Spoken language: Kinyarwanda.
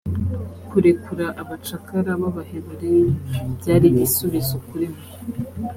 kurekura abacakara b’abahebureyi byariigisubizo kurimwe